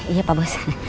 iya pak bos